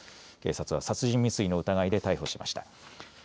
警察は殺人未遂の疑いで逮捕しました。